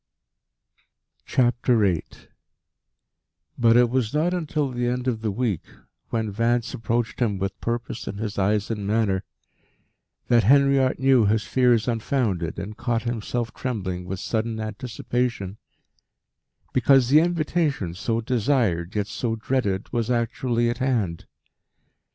VIII But it was not until the end of the week, when Vance approached him with purpose in his eyes and manner, that Henriot knew his fears unfounded, and caught himself trembling with sudden anticipation because the invitation, so desired yet so dreaded, was actually at hand.